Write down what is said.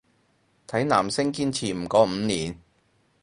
睇男星堅持唔過五年